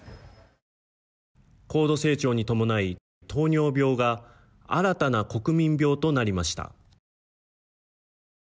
高度成長にともない、糖尿病が新たな国民病となりました。